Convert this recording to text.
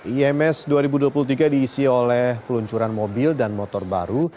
ims dua ribu dua puluh tiga diisi oleh peluncuran mobil dan motor baru